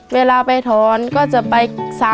เวลาไปถอนก็จะไป๓๔ชั่วโมงแล้วก็กลับค่ะ